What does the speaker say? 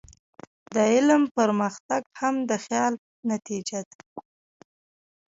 د علم پرمختګ هم د خیال نتیجه ده.